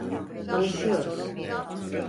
Tanışıyoruz.